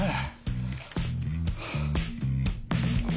はあ。